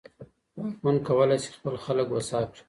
واکمن کولای سي خپل خلګ هوسا کړي.